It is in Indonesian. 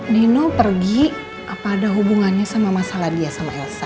dino pergi apa ada hubungannya sama masalah dia sama elsa